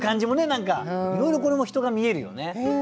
何かいろいろこれも人が見えるよね。